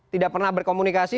tidak pernah berkomunikasi